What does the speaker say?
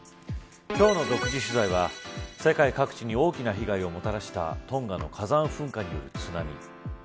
今日の独自取材は世界各地に大きな被害をもたらしたトンガの火山噴火による津波。